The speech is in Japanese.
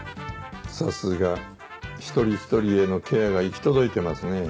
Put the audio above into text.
さすが一人一人へのケアが行き届いてますね。